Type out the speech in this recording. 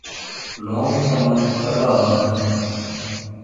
لونٚگ تمآم ڪڙوآ هوندآ هينٚ